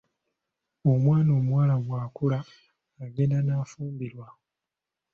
Omwana omuwala bw'akula agenda n'afumbirwa.